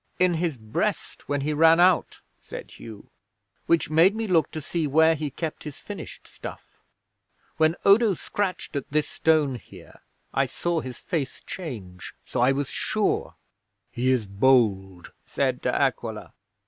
'"In his breast when he ran out," said Hugh. "Which made me look to see where he kept his finished stuff. When Odo scratched at this stone here, I saw his face change. So I was sure." '"He is bold," said De Aquila.